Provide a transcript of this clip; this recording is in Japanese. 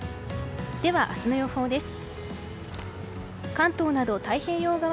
では明日の予報です。